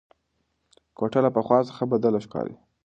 کوټه له پخوا څخه بدله ښکاري.